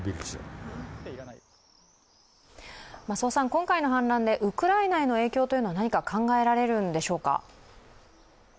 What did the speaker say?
今回の反乱でウクライナへの影響というのは何か考えられるんでしょうか。